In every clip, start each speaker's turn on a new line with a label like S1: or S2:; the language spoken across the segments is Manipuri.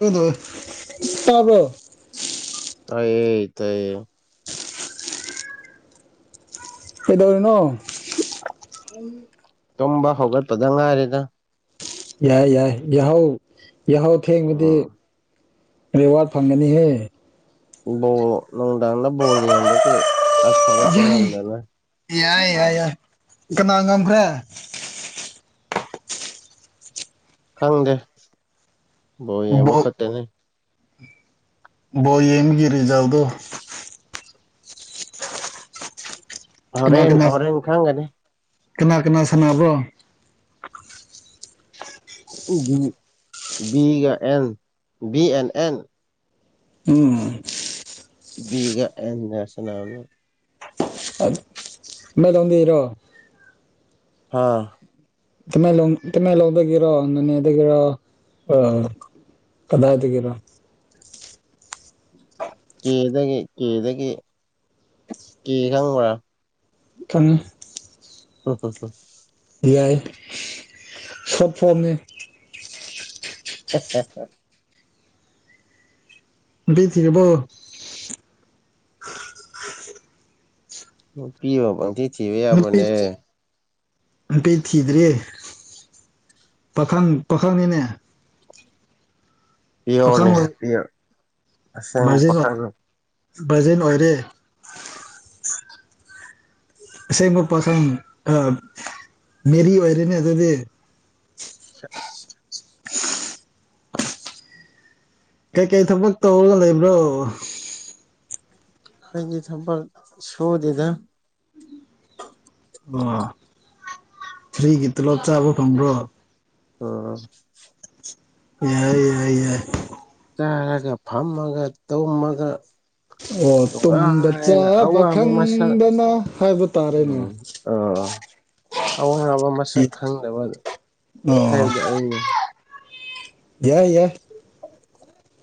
S1: [unintelligible] ꯇꯥꯕ꯭ꯔꯣ
S2: ꯇꯥꯏꯌꯦ ꯇꯥꯏꯌꯦ
S1: ꯀꯩꯗꯧꯔꯤꯅꯣ
S2: ꯇꯨꯝꯕ ꯍꯧꯒꯠꯄꯗ ꯉꯥꯏꯔꯤꯗ
S1: ꯌꯥꯏ ꯌꯥꯏ ꯌꯥꯍꯧ ꯌꯥꯍꯧ ꯊꯦꯡꯕꯗꯤ
S2: ꯎꯝ
S1: ꯔꯤꯋꯥꯔꯗ ꯐꯪꯒꯅꯤꯍꯦ
S2: ꯕꯣꯜ ꯅꯨꯡꯗꯥꯡꯗ ꯕꯣꯜ ꯌꯦꯡꯕꯒꯤ ꯑꯁ ꯍꯧꯒꯠꯄ ꯉꯝꯗꯅ
S1: ꯌꯥꯏ ꯌꯥꯏ ꯌꯥꯏ ꯀꯅꯥ ꯉꯝꯈ꯭ꯔꯦ
S2: ꯈꯪꯗꯦ ꯕꯣꯜ ꯌꯦꯡꯕ ꯈꯠꯇꯅꯦ
S1: ꯕꯣꯜ ꯌꯦꯡꯕꯒꯤ ꯔꯤꯖꯜꯗꯣ ꯀꯅꯥ
S2: ꯍꯣꯔꯦꯟ
S1: ꯀꯅꯥ
S2: ꯍꯣꯔꯦꯟ ꯈꯪꯒꯅꯤ
S1: ꯀꯅꯥ ꯀꯅꯥ ꯁꯥꯟꯅꯕ꯭ꯔꯣ
S2: ꯕꯤ ꯕꯤꯒ ꯑꯦꯜ ꯕꯤ ꯑꯦꯟ ꯑꯦꯟ
S1: ꯎꯝ
S2: ꯕꯤꯒ ꯑꯦꯟꯒ ꯁꯥꯅꯕꯅꯦ
S1: [unintelligible]
S2: ꯍꯥꯥ
S1: ꯇꯃꯦꯡꯂꯣꯡ ꯇꯃꯦꯡꯂꯣꯡꯗꯒꯤꯔꯣ ꯅꯣꯅꯦꯗꯒꯤꯔꯣ ꯑ ꯀꯗꯥꯥꯏꯗꯒꯤꯔ
S2: ꯀꯦꯗꯒꯤ ꯀꯦꯗꯒꯤ ꯀꯦ ꯈꯪꯕ꯭ꯔꯥ
S1: ꯈꯪꯉꯦ
S2: ꯍꯍꯍ
S1: ꯌꯥꯏꯌꯦ ꯁꯣꯠ ꯐꯣꯔꯝꯅꯦ
S2: ꯍꯦꯍꯦꯍ
S1: ꯅꯨꯄꯤ ꯊꯤꯔꯕꯣ
S2: ꯅꯨꯄꯤꯕꯨ ꯄꯪꯊꯤ ꯊꯤꯕ
S1: ꯅꯨꯄꯤ
S2: ꯌꯥꯕ꯭ꯔꯅꯦ
S1: ꯅꯨꯄꯤ ꯊꯤꯗ꯭ꯔꯤ ꯄꯥꯈꯪ ꯄꯥꯈꯪꯅꯤꯅꯦ ꯄꯥꯈꯪ
S2: ꯄꯤꯑꯣꯔꯅꯦ ꯍꯥ
S1: ꯑꯣꯏ
S2: ꯄꯤꯑꯣ ꯑꯁꯦꯡꯕ ꯄꯥꯈꯪ
S1: ꯕꯔꯖꯤꯟ ꯑꯣꯏꯔꯦ ꯑꯁꯦꯡꯕ ꯄꯥꯈꯪ ꯑ ꯃꯦꯔꯤ ꯋꯣꯏꯔꯦꯅꯦ ꯑꯗꯨꯗꯤ
S2: [unintelligible]
S1: ꯀꯩꯀꯩ ꯊꯕꯛ ꯇꯧꯔꯒ ꯂꯩꯕ꯭ꯔꯣ
S2: ꯑꯩꯗꯤ ꯊꯕꯛ ꯁꯨꯗꯦꯗꯥ
S1: ꯑꯣ ꯐ꯭ꯔꯤꯒꯤ ꯇꯣꯂꯣꯞ ꯆꯥꯕ ꯐꯡꯕ꯭ꯔꯣ
S2: ꯎꯍꯝ
S1: ꯌꯥꯏ ꯌꯥꯏ ꯌꯥꯏ ꯌꯦ
S2: ꯆꯥꯔꯒ ꯐꯝꯃꯒ ꯇꯣꯝꯃꯒ
S1: ꯑꯣ ꯇꯨꯝꯕ
S2: ꯅꯨꯡꯉꯏꯅꯥ
S1: ꯆꯥꯕ
S2: ꯑꯋꯥꯕ ꯃꯁꯛ
S1: ꯈꯪꯗꯅ ꯍꯥꯏꯕ ꯇꯥꯔꯦꯅꯦ
S2: ꯎꯝ ꯑ ꯑ ꯑꯋꯥꯕ ꯃꯁꯛ ꯈꯪꯗꯕ
S1: ꯑꯣ
S2: ꯍꯥꯏꯕꯗꯨ ꯑꯩꯅꯤ
S1: ꯌꯥꯏ ꯌꯥꯏ
S2: [inaudible]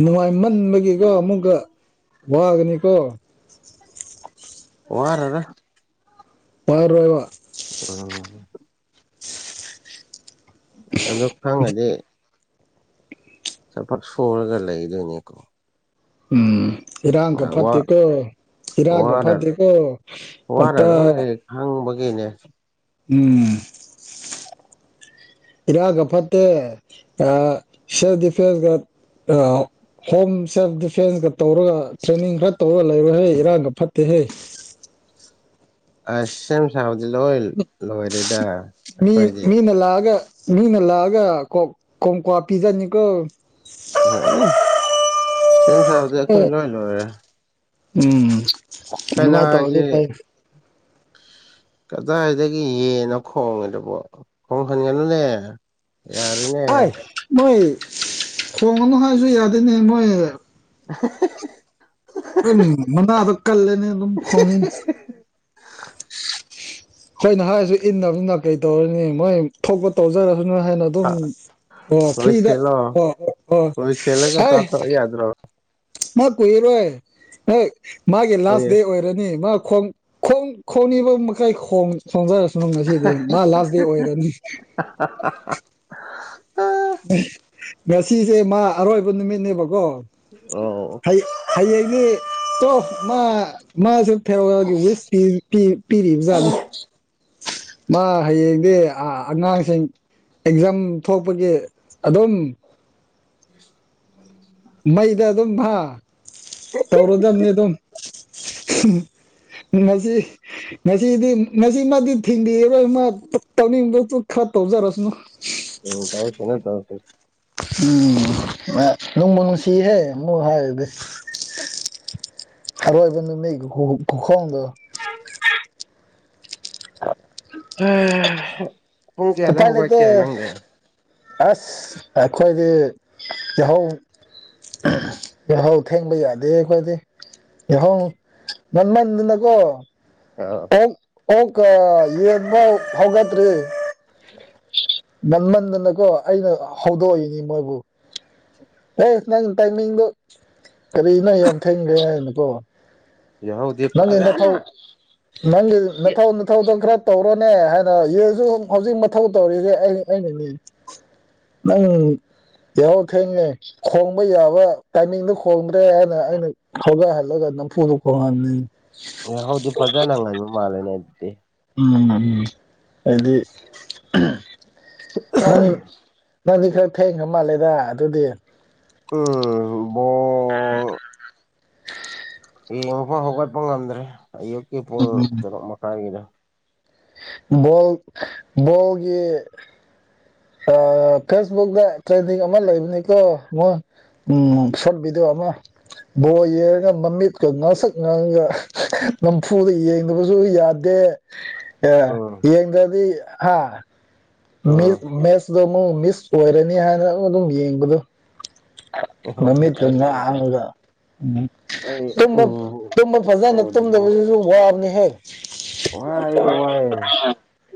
S1: ꯅꯨꯡꯉꯥꯏꯃꯟꯕꯒꯤꯀꯣ ꯑꯃꯨꯛꯀ ꯋꯥꯒꯅꯤꯀꯣ
S2: ꯋꯥꯔꯣꯏꯗ
S1: ꯋꯔꯣꯏꯕ
S2: ꯑꯝ ꯑꯗꯣ ꯈꯪꯉꯗꯤ ꯊꯕꯛ ꯁꯨꯔꯒ ꯂꯩꯗꯣꯏꯅꯤꯀꯣ
S1: ꯎꯝ ꯏꯔꯥꯡꯒ
S2: ꯋꯥ
S1: ꯐꯠꯇꯦꯀꯣ ꯏꯔꯥꯡꯒ
S2: ꯋꯥꯔ
S1: ꯐꯠꯇ꯭ꯔꯦꯀꯣ ꯑꯟꯇꯥ
S2: ꯒꯤꯅꯦ
S1: ꯎꯝ ꯏꯔꯥꯡꯒ ꯐꯠꯇꯦ ꯑ ꯁꯦꯜ꯭ꯐꯗꯤꯐꯦꯟꯒ ꯑ ꯍꯣꯝ ꯁꯦꯜꯐ ꯗꯤꯐꯦꯟꯁꯀ ꯇꯧꯔꯒ ꯇ꯭ꯔꯦꯅꯤꯡ ꯈꯔ ꯇꯧꯔ ꯂꯩꯔꯣꯍꯦ ꯏꯔꯥꯡꯒ ꯐꯠꯇꯦꯍꯦ [inaudible]
S2: ꯑꯁ ꯁꯦꯝ ꯁꯥꯕꯗꯤ ꯂꯣꯏ ꯂꯣꯏꯔꯦꯗ
S1: ꯃꯤ
S2: ꯑꯩꯈꯣꯏꯗꯤ
S1: ꯃꯤꯅ ꯂꯥꯛꯑꯒ ꯃꯤꯅ ꯂꯥꯛꯑꯒ ꯀꯣ ꯀꯣꯡꯀ꯭ꯋꯥ ꯄꯤꯖꯅꯤꯀꯣ
S2: ꯍꯣꯏ ꯁꯦꯝ ꯁꯥꯕꯗꯤ ꯑꯩꯈꯣꯏ ꯂꯣꯏ ꯂꯣꯏꯔꯦ
S1: ꯎꯝ ꯑꯗꯨꯃꯥꯏꯅ ꯇꯧꯔꯗꯤ
S2: ꯀꯅꯥꯒꯤ
S1: ꯐꯩ
S2: ꯀꯗꯥꯏꯗꯒꯤ ꯌꯦꯟꯅꯣ ꯈꯣꯡꯉꯤꯗꯨꯕꯣ ꯈꯣꯡꯍꯟꯒꯅꯨꯅꯦ ꯌꯥꯔꯦꯅꯦ
S1: ꯈꯣꯡꯒꯅꯣ ꯍꯥꯏꯁꯨ ꯌꯥꯗꯤꯅꯦ ꯃꯣꯏ
S2: ꯐꯍꯤꯍꯤꯍꯤ
S1: ꯑꯜ ꯃꯅꯗꯣ ꯀꯜꯂꯤꯅꯦ ꯑꯗꯨꯝ ꯈꯣꯡꯉꯤꯅꯦ ꯑꯣꯏꯅ ꯍꯥꯏꯔꯁꯨ ꯏꯟꯗꯕꯅꯤꯅ ꯀꯩ ꯇꯧꯔꯅꯤ ꯃꯣꯏ ꯊꯣꯛꯄ ꯇꯧꯖꯔ ꯍꯥꯏꯅ ꯑꯗꯨꯝ
S2: ꯍꯥ,
S1: ꯑꯣ
S2: ꯂꯣꯏ
S1: ꯐ꯭ꯔꯤꯗ
S2: ꯁꯦꯠꯂꯣ
S1: ꯑꯣ ꯑꯣ
S2: ꯂꯣꯏ ꯁꯦꯠꯂꯒ
S1: ꯍꯩ
S2: ꯆꯥꯊꯣꯛ ꯌꯥꯗ꯭ꯔꯣ
S1: ꯃꯥ ꯀꯨꯏꯔꯣꯏ ꯍꯦꯛ ꯃꯥꯒꯤ ꯂꯥꯁ
S2: ꯑꯣꯏꯌꯦ
S1: ꯗꯦ ꯑꯣꯏꯔꯅꯤ ꯃꯥ ꯈꯣꯡ ꯈꯣꯡ ꯈꯣꯡꯅꯤꯕ ꯃꯈꯩ ꯈꯣꯡ ꯈꯣꯡꯖꯔ ꯉꯁꯤꯗꯤ ꯃꯥ ꯂꯥꯁ ꯗꯦ ꯑꯣꯏꯔꯅꯤ ꯉꯁꯤꯁꯦ ꯃꯥ ꯑꯔꯣꯏꯕ ꯅꯨꯃꯤꯠꯅꯦꯕꯀꯣ
S2: ꯑꯣ
S1: ꯍꯌꯦꯡꯗꯤ ꯇꯣ ꯃꯥ ꯃꯥꯁꯦ ꯐꯦꯔꯋꯥꯜꯒꯤ ꯋꯤꯁ ꯄꯤ ꯄꯤꯔꯤꯕ ꯖꯥꯠꯅꯤ ꯃꯥ ꯍꯌꯦꯡꯗꯤ ꯑꯉꯥꯡꯁꯤꯡ ꯑꯦꯛꯖꯥꯝ ꯊꯣꯛꯄꯒꯤ ꯑꯗꯨꯝ
S2: [inaudible]
S1: ꯃꯩꯗ ꯑꯗꯨꯝ ꯍꯥ ꯇꯧꯔꯗꯝꯅꯤ ꯑꯗꯨꯝ ꯉꯁꯤ ꯉꯁꯤꯗꯤ ꯉꯁꯤꯃꯛꯇꯤ ꯊꯤꯡꯕꯤꯔꯔꯣꯏ ꯃꯥ ꯇꯧꯅꯤꯡꯕ ꯈꯔ ꯇꯧꯖꯔꯁꯅꯨ
S2: ꯑꯣ ꯇꯧꯁꯅꯨ ꯇꯧꯁꯅꯨ
S1: ꯎꯝ ꯃꯥ ꯅꯨꯡꯕꯨ ꯅꯨꯡꯁꯤꯍꯦ ꯃꯨꯛ ꯍꯥꯏꯗꯤ ꯑꯔꯣꯏꯕ ꯅꯨꯃꯤꯠ ꯈꯨꯈꯣꯡꯗꯣ [unintelligible]
S2: ꯍꯦ ꯄꯨꯡ ꯀꯌꯥꯗ
S1: ꯎꯄꯥꯏ ꯂꯩꯇꯦ
S2: ꯍꯧꯒꯠꯀꯦ ꯅꯪꯗꯤ
S1: ꯑꯁ ꯑꯩꯈꯣꯏꯗꯤ ꯌꯥꯍꯧ ꯌꯥꯍꯧ ꯊꯦꯡꯕ ꯌꯥꯗꯦ ꯑꯩꯈꯣꯏꯗꯤ ꯌꯥꯍꯣ ꯉꯟꯃꯟꯗꯅꯀꯣ
S2: ꯑꯥ
S1: ꯑꯣꯀ ꯀ ꯌꯠꯕꯥꯎ ꯍꯧꯒꯠꯇꯔꯤ ꯉꯟꯃꯟꯗꯅꯀꯣ ꯑꯩꯅ ꯍꯧꯗꯣꯛꯏꯅꯤ ꯃꯣꯏꯕꯨ ꯑꯦ ꯅꯪ ꯇꯥꯏꯃꯤꯡꯗꯣ ꯀꯔꯤꯅꯣ ꯌꯥꯝ ꯊꯦꯡꯈ꯭ꯔꯦ ꯍꯥꯏꯅꯀꯣ
S2: ꯌꯥꯍꯧꯗꯤ
S1: ꯅꯪꯒꯤ
S2: ꯐꯖꯅ
S1: ꯅꯊꯧ ꯅꯪꯒꯤ
S2: ꯌꯦ-
S1: ꯅꯊꯧ ꯅꯊꯧꯗꯣ ꯈꯔ ꯇꯧꯔꯣꯅꯦ ꯍꯥꯏꯅ ꯌꯦꯟꯁꯨ ꯍꯧꯖꯤꯛꯃꯛ ꯊꯧ ꯇꯧꯔꯤꯁꯦ ꯑꯩ ꯑꯩꯅꯅꯦ ꯅꯪ ꯌꯥꯍꯧ ꯊꯦꯡꯉꯦ ꯈꯣꯡꯡꯕ ꯌꯥꯕ ꯇꯥꯏꯃꯤꯡꯗ ꯈꯣꯡꯗ꯭ꯔꯦ ꯍꯥꯏꯅ ꯑꯩꯅ ꯍꯧꯒꯠꯍꯜꯂꯒ ꯅꯝꯐꯨꯗꯨ ꯈꯣꯡꯍꯟꯅꯤꯡꯉꯤ
S2: ꯑꯦ ꯍꯥꯎꯗꯤ ꯐꯖꯅ ꯉꯟꯕ ꯃꯥꯜꯂꯦꯅꯦ ꯑꯗꯨꯗꯤ
S1: ꯎꯝ ꯎꯝ ꯍꯥꯏꯗꯤ ꯅꯪ ꯅꯪꯗꯤ ꯈꯔ ꯊꯦꯡꯈ꯭ꯔ ꯃꯥꯜꯂꯦꯗ ꯑꯗꯨꯗꯤ
S2: ꯎꯝ ꯕꯣꯜ ꯍꯌꯦꯡ ꯐꯥꯎ ꯍꯧꯒꯠꯄ ꯉꯝꯗ꯭ꯔꯦ ꯑꯌꯨꯛꯀꯤ ꯄꯨꯡ ꯇꯔꯨꯛ ꯃꯈꯥꯏꯒꯤꯗꯣ
S1: ꯕꯣꯜ ꯕꯣꯜꯒꯤ ꯑꯥ ꯐꯦꯁꯕꯨꯛꯇꯛꯇ ꯇ꯭ꯔꯦꯟꯗꯤꯡ ꯑꯃ ꯂꯩꯕꯅꯤꯀꯣ ꯃꯣꯏ ꯎꯝ [unintelligible] ꯕꯣꯜ ꯌꯦꯡꯔꯒ ꯃꯃꯤꯠꯀ ꯉꯁꯛ ꯉꯥꯡꯉꯒ ꯅꯝꯐꯨꯗ ꯌꯦꯡꯗꯕꯁꯨ ꯌꯥꯗꯦ ꯑ
S2: ꯎꯝ
S1: ꯌꯦꯡꯗꯗꯤ ꯑꯥ [unintelligible]
S2: ꯎꯝ
S1: ꯅꯣꯢ ꯃꯤꯁ ꯑꯣꯏꯔꯅꯤ ꯍꯥꯏꯅ ꯑꯩꯉꯣꯟ ꯑꯗꯨꯝ ꯌꯦꯡꯕꯗꯣ ꯃꯃꯤꯠꯁꯨ
S2: ꯑꯩ ꯎꯗ꯭ꯔꯤ
S1: ꯉꯥꯡꯂꯒ ꯎꯝ
S2: ꯑꯩ
S1: ꯇꯨꯝꯕ
S2: ꯎ
S1: ꯇꯨꯝꯕ ꯐꯖꯅ ꯇꯨꯝꯗꯕꯗꯨꯁꯨ ꯋꯥꯕꯅꯦꯍꯦ
S2: ꯋꯥꯏ ꯋꯥꯏꯌꯦ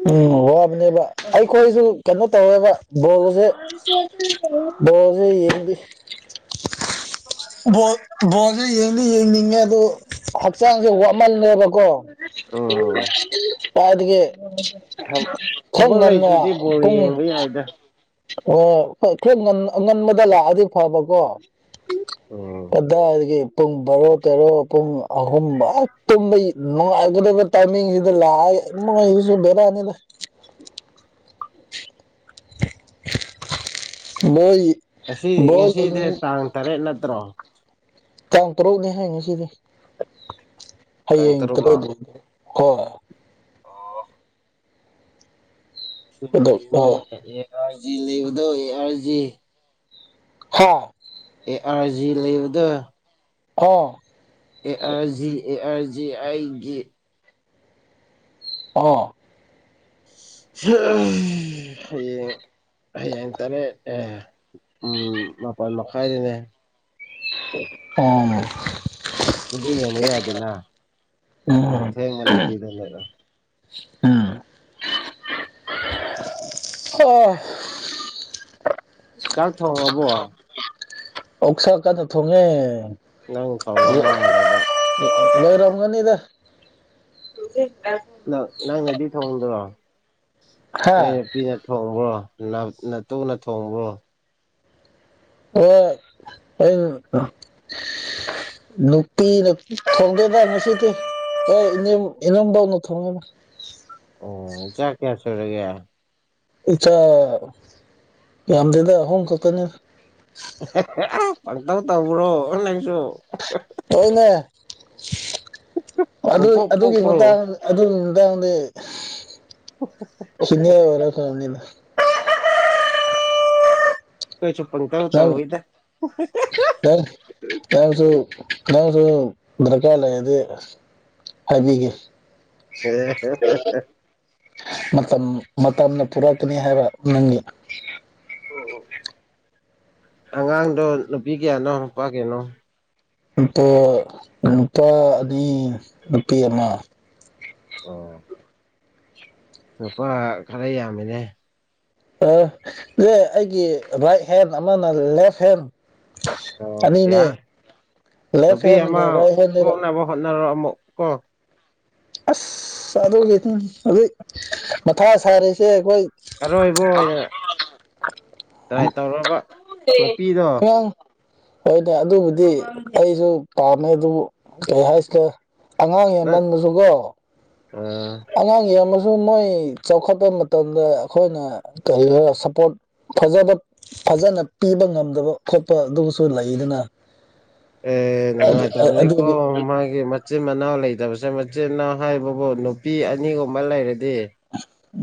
S1: ꯎꯝ ꯋꯥꯕꯅꯦꯕ ꯑꯩꯈꯣꯏꯁꯨ ꯀꯩꯅꯣ ꯇꯧꯋꯦꯕ ꯕꯣꯜꯖꯦ ꯕꯣꯜꯖꯦ ꯌꯦꯡꯗꯤ ꯕꯣꯜ ꯕꯣꯜꯗꯣ ꯌꯦꯡꯗꯤ ꯌꯦꯡꯅꯤꯡꯉꯦ ꯕꯨ ꯍꯛꯆꯥꯡꯖꯦ ꯋꯥꯃꯜꯂꯦꯕꯀꯣ
S2: ꯎꯝ
S1: ꯀꯥꯏꯗꯒꯤ
S2: ꯊꯕꯛ ꯊꯕꯛ
S1: ꯈꯉꯟꯅ
S2: ꯂꯩꯇ꯭ꯔꯗꯤ ꯕꯣꯜ
S1: ꯄꯨꯡ
S2: ꯌꯦꯡꯕ ꯌꯥꯏꯗ
S1: ꯑꯣ ꯍꯣꯢ ꯈꯔ ꯉꯟ ꯉꯟꯕꯗ ꯂꯥꯛꯑꯗꯤ ꯐꯕꯀꯣ
S2: ꯎꯝ
S1: ꯀꯗꯥꯏꯗꯒꯤ ꯄꯨꯡ ꯕꯥꯔꯣ ꯇꯦꯔꯣ ꯄꯨꯡ ꯑꯍꯨꯝ [unintelligible] ꯇꯨꯝꯕꯩ ꯅꯨꯡꯉꯥꯏꯒꯗꯕ ꯇꯥꯏꯃꯤꯡꯖꯤꯗ ꯂꯥꯛꯑꯒ ꯏꯃꯥꯏ ꯁꯤꯁꯨ ꯕꯦꯔꯥꯅꯤꯗ ꯃꯣꯏ
S2: ꯉꯁꯤ
S1: ꯕꯣꯜ
S2: ꯉꯁꯤꯗꯤ
S1: ꯌꯦꯡ
S2: ꯇꯥꯡ ꯇꯔꯦꯠ ꯅꯠꯇ꯭ꯔꯣ
S1: ꯇꯥꯡ ꯇꯔꯨꯛꯅꯦ ꯍꯥꯏꯌꯦ ꯉꯁꯤꯗꯤ
S2: ꯇꯥꯡ
S1: ꯍꯌꯦꯡ
S2: ꯇꯔꯨꯛꯂꯣ
S1: ꯇꯔꯦꯠ [unintelligible] ꯀꯣ
S2: ꯀꯩꯁꯨꯝ
S1: ꯑꯗꯨ
S2: ꯅꯠꯇꯦꯅꯦ
S1: ꯑꯣ
S2: ꯑꯦ ꯑꯥꯢ ꯖꯤ ꯂꯩꯕꯗꯣ ꯑꯦ ꯑꯥꯢ ꯖꯤ
S1: ꯍꯣ
S2: ꯑꯦ ꯑꯥꯔ ꯖꯤ ꯂꯩꯕꯗꯣ
S1: ꯑꯣ
S2: A R G A R G ꯑꯩꯒꯤ
S1: ꯑꯣꯍꯣ
S2: [unintelligible] ꯍꯌꯦꯡ ꯍꯌꯦꯡ ꯇꯔꯦꯠ ꯑꯦ ꯎꯝ ꯃꯥꯄꯟ ꯃꯈꯥꯏꯗꯅꯦ
S1: ꯑꯥ
S2: ꯑꯗꯨꯗꯤ ꯌꯦꯡꯕ ꯌꯥꯏꯗꯅꯥ ꯌꯥꯝ
S1: ꯎꯝ
S2: ꯊꯦꯡꯕ ꯅꯠꯇꯦꯗ ꯅꯦꯔꯣ
S1: ꯎꯝ ꯑꯣ
S2: ꯆꯥꯛ ꯊꯣꯡꯉꯕꯣ
S1: ꯑꯣꯁꯥ ꯀꯟꯅ ꯊꯣꯡꯉꯦ
S2: ꯅꯪ ꯊꯣꯡꯕ ꯃꯥꯜꯂꯦꯕ
S1: ꯂꯣꯏꯔꯝꯒꯅꯤꯗ
S2: ꯅꯪ ꯅꯪꯅꯗꯤ ꯊꯣꯡꯗ꯭ꯔꯣ ꯅꯣꯢ
S1: ꯍꯥ
S2: ꯅꯨꯄꯤꯅ ꯊꯣꯡꯕ꯭ꯔꯣ ꯅꯞ ꯅꯇꯨꯅ ꯊꯣꯡꯕ꯭ꯔꯣ
S1: ꯑꯣꯛ ꯑ ꯅꯨꯄꯤꯅ ꯊꯣꯡꯗꯦꯗ ꯉꯁꯤꯗꯤ ꯍ ꯏꯅꯦꯝ ꯢꯅꯦꯝꯕꯣꯛꯅ ꯊꯣꯡꯉꯦꯗ
S2: ꯑꯣ ꯏꯆꯥ ꯀꯌꯥ ꯁꯨꯔꯒꯦ
S1: ꯏꯆꯥ ꯌꯥꯝꯗꯦꯗ ꯑꯍꯨꯝ ꯈꯛꯇꯅꯦ
S2: ꯄꯪꯇꯧ ꯇꯧꯕ꯭ꯔꯣ ꯅꯪꯁꯨ
S1: ꯍꯣꯏꯅꯦ ꯑꯗꯨ
S2: ꯄꯨꯡꯄꯣꯛ
S1: ꯑꯗꯨꯒꯤ
S2: ꯄꯣꯛꯄ꯭ꯔꯣ
S1: ꯃꯇꯥꯡ ꯑꯗꯨ ꯇꯥꯡꯗꯤ ꯁꯤꯅꯤꯌꯔ ꯑꯣꯏꯔꯒ ꯈꯪꯉꯅꯤꯗ
S2: ꯑꯩꯈꯣꯏꯁꯨ ꯄꯪꯇꯧ
S1: ꯇꯥꯎ
S2: ꯇꯧꯋꯤꯗ
S1: ꯇꯥꯎ ꯇꯥꯎꯁꯨ ꯅꯪꯁꯨ ꯗ꯭ꯔꯀꯥꯔ ꯂꯩꯔꯗꯤ ꯍꯥꯏꯕꯤꯒꯦ ꯃꯇꯝ ꯃꯇꯝꯅ ꯄꯨꯔꯛꯀꯅꯤ ꯍꯥꯏꯕ ꯅꯪꯒꯤ
S2: ꯑꯣ ꯑꯉꯥꯡꯗꯣ ꯅꯨꯄꯤ ꯀꯌꯥꯅꯣ ꯅꯨꯄꯥ ꯀꯌꯥꯅꯣ
S1: ꯑꯇꯣ ꯅꯨꯄꯥ ꯑꯅꯤ ꯅꯨꯄꯤ ꯑꯃ
S2: ꯑꯣ ꯅꯨꯄꯥ ꯈꯔ ꯌꯥꯝꯃꯦꯅꯦ
S1: ꯑ ꯑꯦ ꯑꯩꯒꯤ ꯔꯥꯏꯠ ꯍꯦꯟ ꯑꯃꯅ ꯂꯦꯐ ꯍꯦꯟ
S2: ꯑꯣ
S1: ꯑꯅꯤꯅꯦ
S2: ꯌꯥꯔꯦ
S1: ꯂꯦꯐ
S2: ꯅꯨꯄꯤ ꯑꯃ
S1: ꯍꯦꯟꯒ ꯔꯥꯏꯠ ꯍꯦꯟꯅꯦꯕ
S2: ꯄꯣꯛꯅꯕ ꯍꯣꯠꯅꯔꯣ ꯑꯃꯨꯛ ꯀꯣ
S1: ꯑꯁ ꯑꯗꯨꯒꯤꯅꯦ ꯍꯧꯖꯤꯛ ꯃꯊꯥ ꯁꯥꯔꯤꯁꯦ ꯑꯩꯈꯣꯏ
S2: ꯑꯔꯣꯏꯕ ꯑꯣꯏꯅ ꯇ꯭ꯔꯥꯏ ꯇꯧꯔꯣꯕ
S1: ꯑꯉꯥꯡ ꯍꯣꯏꯅꯦ ꯑꯗꯨꯕꯨꯗꯤ ꯑꯩꯁꯨ ꯄꯥꯝꯃꯦ ꯑꯗꯨꯕꯨ ꯀꯔꯤ ꯍꯥꯏꯁꯤꯒꯦ ꯑꯉꯥꯡ
S2: ꯅꯪ
S1: ꯌꯥꯝꯃꯟꯕꯁꯨꯀꯣ
S2: ꯑ
S1: ꯑꯉꯥꯡ ꯌꯥꯝ ꯃꯁꯨ ꯃꯣꯏ ꯆꯥꯎꯈꯠꯄ ꯃꯇꯝꯗ ꯑꯩꯈꯣꯏꯅ ꯀꯔꯤꯔꯣ ꯁꯞꯄꯣꯔꯠ ꯐꯖꯕ ꯐꯖꯅ ꯄꯤꯕ ꯉꯝꯗꯕ ꯈꯣꯠꯄ ꯑꯗꯨꯁꯨ ꯂꯩꯗꯅ
S2: ꯑꯦ ꯅꯨꯡꯉꯥꯏꯇꯕꯅꯦꯀꯣ
S1: ꯑꯗꯨꯒꯤ
S2: ꯃꯥꯒꯤ ꯃꯆꯤꯟ ꯃꯅꯥꯎ ꯂꯩ ꯇꯕꯁꯦ ꯃꯆꯤꯅꯥꯎ ꯍꯥꯏꯕꯕꯨ ꯅꯨꯄꯤ ꯑꯅꯤꯒꯨꯝꯕ ꯂꯩꯔꯗꯤ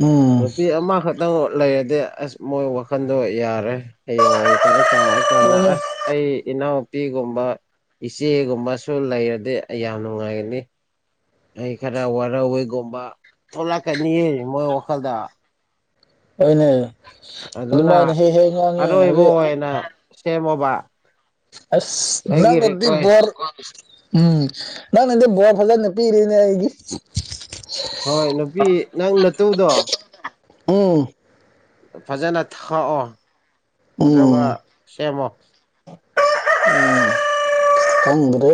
S1: ꯎꯝ
S2: ꯅꯨꯄꯤ ꯑꯃꯈꯛꯇꯪ ꯂꯩꯔꯗꯤ ꯑꯁ ꯃꯣꯏ ꯋꯥꯈꯟꯗꯣ ꯌꯥꯔꯦ ꯍꯌꯦꯡꯋꯥꯢ ꯈꯔ ꯆꯥꯎꯔꯛꯑꯀꯥꯟꯗ
S1: ꯍꯣꯏꯅꯦ
S2: ꯑꯁ ꯑꯩ ꯏꯅꯥꯎ ꯄꯤꯒꯨꯝꯕ ꯏꯆꯦꯒꯨꯝꯕꯁꯨ ꯂꯩꯔꯗꯤ ꯑꯩ ꯌꯥꯝ ꯅꯨꯡꯉꯥꯏꯒꯅꯤ ꯑꯩ ꯈꯔ ꯋꯥꯔꯧꯋꯦꯒꯨꯝꯕ ꯊꯣꯛꯂꯛꯀꯅꯤꯌꯦ ꯃꯣꯏ ꯋꯥꯈꯜꯗ
S1: ꯍꯢꯅꯦ ꯑꯗꯨꯃꯥꯏꯅ
S2: ꯑꯗꯨꯅ
S1: ꯍꯦꯛ ꯍꯦꯛ ꯉꯥꯡꯉꯦ
S2: ꯑꯔꯣꯏꯕ
S1: ꯍꯧꯖꯤꯛ
S2: ꯑꯣꯏꯅ ꯁꯦꯝꯃꯣꯕ
S1: ꯑꯁ
S2: ꯑꯩꯒꯤ
S1: ꯅꯪꯅꯗꯤ
S2: ꯔꯤꯀ꯭ꯋꯦꯁ
S1: ꯕꯣꯔ [unintelligible] ꯎꯝ ꯅꯪꯅꯗꯤ ꯕꯣꯔ ꯐꯖꯅ ꯄꯤꯔꯤꯅꯦ ꯑꯩꯒꯤ
S2: ꯍꯣꯏ ꯅꯨꯄꯤ ꯅꯪ ꯅꯇꯨꯗꯣ
S1: ꯎꯝ
S2: ꯐꯖꯅ ꯊꯥꯛꯑꯣ ꯑꯗꯨꯒ
S1: ꯎꯝ
S2: ꯁꯦꯝꯃꯣ
S1: ꯎꯡ ꯈꯪꯗ꯭ꯔꯦ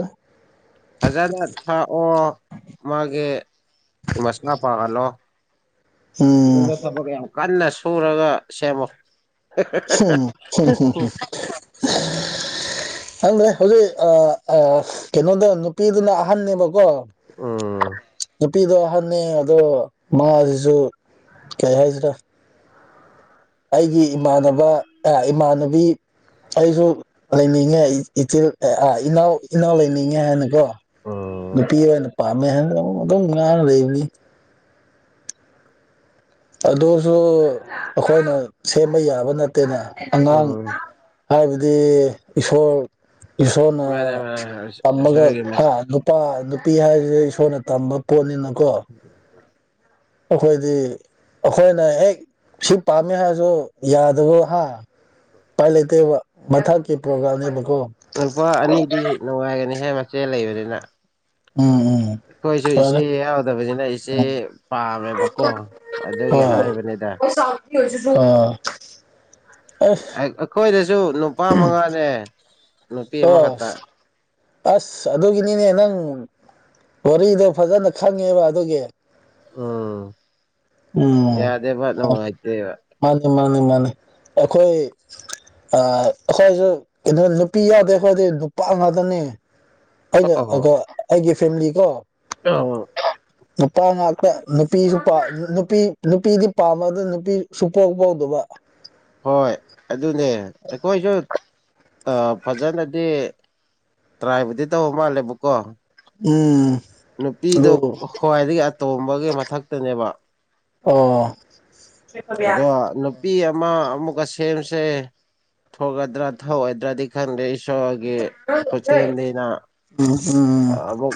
S2: ꯐꯖꯅ ꯊꯥꯛꯑꯣ ꯃꯥꯒꯤ ꯃꯁꯥ ꯐꯥꯍꯜꯂꯣ
S1: ꯎꯝ
S2: ꯅꯪꯅ ꯊꯕꯛ ꯌꯥꯝ ꯀꯟꯅ ꯁꯨꯔꯒ ꯁꯦꯝꯃꯣ
S1: [unintelligible] ꯈꯪꯗ꯭ꯔꯦ ꯍꯧꯖꯤꯛ ꯑꯥ ꯑꯥ ꯀꯩꯅꯣꯗ ꯅꯨꯄꯤꯗꯨꯅ ꯑꯍꯟꯅꯦꯕꯀꯣ
S2: ꯎꯝ
S1: ꯅꯨꯄꯤꯗꯣ ꯑꯍꯟꯅꯤ ꯑꯗꯣ ꯃꯥꯥꯁꯤꯖꯨ ꯀꯩ ꯍꯥꯏꯁꯤꯔꯥ ꯑꯩꯒꯤ ꯏꯃꯥꯟꯅꯕ ꯏꯃꯥꯟꯅꯕꯤ ꯑꯩꯁꯨ ꯂꯩꯅꯤꯡꯉꯦ ꯏꯆꯤꯜ ꯑꯦ ꯑꯥ ꯏꯅꯥꯎ ꯏꯅꯥꯎ ꯂꯩꯅꯤꯡꯉꯦ ꯍꯥꯏꯅꯀꯣ
S2: ꯎꯝ
S1: ꯅꯨꯄꯤ ꯑꯣꯏꯅ ꯄꯥꯝꯃꯦ ꯍꯥꯏꯅ ꯗꯨꯝ ꯉꯥꯡꯉ ꯂꯩꯕꯅꯤ ꯑꯗꯨꯁꯨ ꯑꯈꯣꯏꯅ ꯁꯦꯝꯕ ꯌꯥꯕ ꯅꯠꯇꯦꯅꯦ ꯑꯉꯥꯡ
S2: ꯎꯝ
S1: ꯍꯥꯏꯕꯗꯤ ꯏꯁꯣꯔ ꯏꯁꯣꯔꯅ
S2: ꯃꯥꯅꯦ ꯃꯥꯅꯦ
S1: ꯇꯝꯃꯒ
S2: ꯏꯁꯣꯔꯒꯤ
S1: ꯍꯥ ꯅꯨꯄꯥ ꯅꯨꯄꯤ ꯍꯥꯏꯖꯤꯗꯤ ꯏꯁꯣꯔꯅ ꯇꯝꯕ ꯄꯣꯠꯅꯤꯅ
S2: [inaudible]
S1: ꯑꯈꯣꯏꯗꯤ ꯑꯈꯣꯏꯅ ꯍꯦꯛ ꯁꯤ ꯄꯥꯝꯃꯦ ꯍꯥꯏꯔꯖꯨ ꯌꯥꯗꯕ ꯍꯥ ꯄꯥꯏ ꯂꯩꯇꯦꯕ ꯃꯊꯛꯀꯤ ꯄ꯭ꯔꯣꯒ꯭ꯔꯥꯝꯅꯦꯕ
S2: ꯅꯨꯄꯥ ꯑꯅꯤꯗꯤ ꯅꯨꯡꯉꯥꯏꯒꯅꯤ ꯍꯦ ꯃꯆꯦ ꯂꯩꯕꯅꯤꯅꯥ
S1: ꯎꯝ ꯎꯝ
S2: ꯑꯩꯈꯣꯏꯁꯨ ꯏꯆꯦ
S1: ꯐꯔꯦ
S2: ꯌꯥꯎꯗꯕꯖꯤꯅ ꯏꯆꯦ ꯄꯥꯝꯃꯦꯕꯀꯣ ꯑꯗꯨꯒꯤ ꯍꯥꯏꯕꯅꯤꯗꯥ
S1: ꯑꯁ ꯖꯤꯖꯨ ꯑꯥ
S2: ꯑꯦ ꯑꯈꯣꯏꯗꯁꯨ ꯅꯨꯄꯥ ꯃꯉꯥꯅꯦ ꯅꯨꯄꯤ
S1: ꯑꯥ
S2: ꯑꯃꯈꯛꯇ
S1: ꯑꯁ ꯑꯗꯨꯒꯤꯅꯤꯅꯦ ꯅꯪ ꯋꯥꯔꯤꯗꯣ ꯐꯖꯅ ꯈꯪꯉꯦꯕꯥ ꯑꯗꯨꯒꯤ
S2: ꯎꯝ
S1: ꯎꯝ
S2: ꯌꯥꯗꯦꯕ ꯅꯨꯡꯉꯥꯏꯇꯦꯕ
S1: ꯃꯥꯟꯅꯤ ꯃꯥꯟꯅꯤ ꯃꯥꯟꯅꯤ ꯑꯩꯈꯣꯏ ꯑꯥ ꯑꯈꯣꯏꯁꯨ ꯀꯩꯅꯣ ꯅꯨꯄꯤ ꯌꯥꯎꯗꯦ ꯈꯣꯏꯗꯤ ꯅꯨꯄꯥ ꯉꯥꯛꯇꯅꯦ ꯑꯩꯅ ꯑꯒꯣ
S2: ꯑꯣ
S1: ꯑꯩꯒꯤ ꯐꯦꯝꯂꯤ ꯀꯣ
S2: [unintelligible]
S1: ꯅꯨꯄꯥ ꯉꯥꯛꯇ ꯅꯨꯄꯤꯁꯨ ꯄꯥ ꯅꯨꯄꯤ ꯅꯨꯄꯤꯗꯤ ꯄꯥꯝꯕ ꯑꯗꯨ ꯅꯨꯄꯤ ꯁꯨꯄꯣꯛ ꯄꯣꯛꯇꯕ
S2: ꯍꯣꯏ ꯑꯗꯨꯅꯦ ꯑꯩꯈꯣꯏꯁꯨ ꯑ ꯐꯖꯅꯗꯤ ꯇ꯭ꯔꯥꯏꯕꯨꯗꯤ ꯇꯧꯕ ꯃꯥꯜꯂꯦꯕꯀꯣ
S1: ꯎꯝ
S2: ꯅꯨꯄꯤꯗꯣ
S1: ꯑꯗꯨ
S2: ꯈ꯭ꯋꯥꯏꯗꯒꯤ ꯑꯇꯣꯝꯕꯒꯤ ꯃꯊꯛꯇꯨꯅꯦꯕꯥ
S1: ꯑꯣ
S2: ꯑꯗꯣ ꯅꯨꯄꯤ ꯑꯃ ꯑꯃ ꯑꯃꯨꯛꯀ ꯁꯦꯝꯁꯦ ꯊꯣꯛꯀꯗ꯭ꯔꯥ ꯊꯣꯛꯑꯣꯏꯗ꯭ꯔꯗꯤ ꯈꯪꯗꯦ ꯏꯁꯣꯔꯒꯤ ꯈꯨꯠꯁꯦꯝꯅꯤꯅ
S1: ꯎꯝ
S2: ꯑꯃꯨꯛ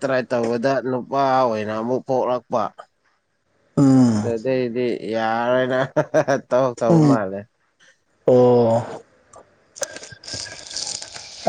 S2: ꯇ꯭ꯔꯥꯏ ꯇꯧꯕꯗ ꯅꯨꯄꯥ ꯑꯣꯏꯅ ꯑꯃꯨꯛ ꯄꯣꯛꯂꯛꯄ
S1: ꯎꯝ ꯎꯝ
S2: ꯑꯗꯨꯗꯩꯗꯤ ꯌꯥꯔꯣꯏꯅ ꯍꯥ ꯍꯥ ꯇꯣꯛꯈ꯭ꯔꯕ
S1: ꯎꯝ
S2: ꯃꯥꯜꯂꯦ
S1: ꯑꯣ